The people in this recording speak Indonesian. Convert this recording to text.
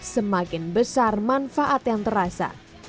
semakin besar manfaat yang terasa